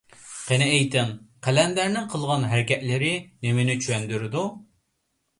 قېنى ئېيتىڭ، قەلەندەرنىڭ قىلغان ھەرىكەتلىرى نېمىنى چۈشەندۈرىدۇ؟